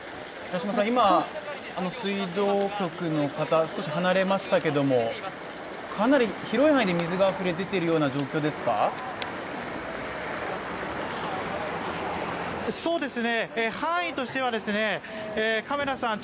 今、水道局の方、少し離れましたけどかなり広い範囲で水があふれ出ている状況でしょうか？